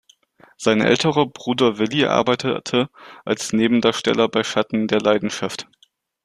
Sein älterer Bruder Willy arbeitete als Nebendarsteller bei "Schatten der Leidenschaft".